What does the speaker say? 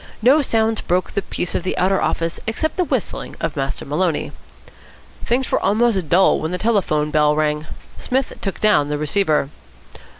No sounds broke the peace of the outer office except the whistling of Master Maloney. Things were almost dull when the telephone bell rang. Psmith took down the receiver.